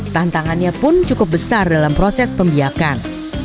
tantangannya pun cukup besar dalam proses pembiakan